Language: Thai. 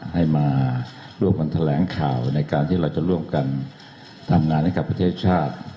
ให้มาร่วมกันแถลงข่าวในการที่เราจะร่วมกันทำงานให้กับประเทศชาติ